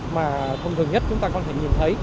mà thông thường nhất chúng ta có thể nhìn thấy